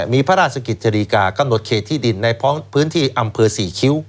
มีพระราชกิจจริกากำหนดเขตที่ดินในพื้นที่อำเภอ๔คิ้ว